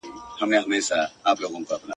لکه جوړه له ګوهرو له الماسه !.